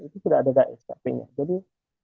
dan juga dari skp nya jadi